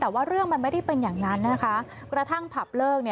แต่ว่าเรื่องมันไม่ได้เป็นอย่างนั้นนะคะกระทั่งผับเลิก